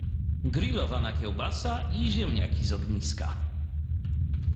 grilowana kiełbasa i ziemniaki z ogniska